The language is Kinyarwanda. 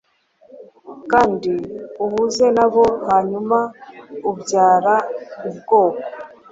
Kandi uhuze nabo, hanyuma ubyara ubwoko